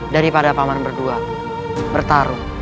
daripada paman berdua bertarung